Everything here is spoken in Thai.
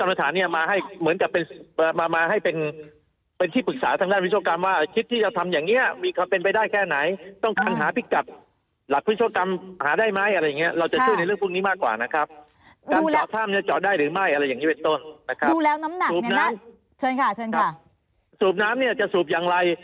สูบน้ำจะสูบอย่างไร